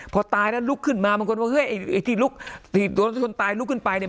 พอตายแล้วลุกขึ้นมามันควรว่าเฮ้ยไอ้ที่ลุกตัวต้นตายลุกขึ้นไปเนี้ย